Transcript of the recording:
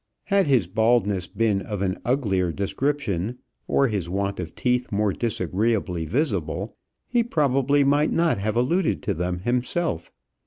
Had his baldness been of an uglier description, or his want of teeth more disagreeably visible, he probably might not have alluded to them himself.